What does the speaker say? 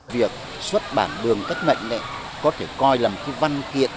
việc xuất bản đường cách mệnh này có thể coi là một cái văn kiện